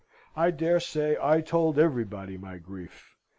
I dare say I told everybody my grief.